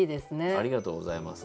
ありがとうございます。